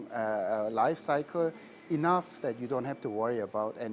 jadi ini bukan hal yang harus diperhatikan